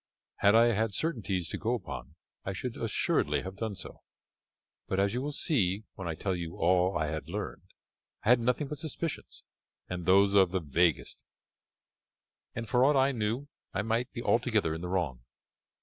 "Had I had certainties to go upon I should assuredly have done so, but, as you will see when I tell you all I had learned, I had nothing but suspicions, and those of the vaguest, and for aught I knew I might be altogether in the wrong."